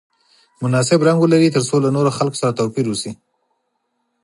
مناسب رنګ ولري ترڅو له نورو خلکو سره توپیر وشي.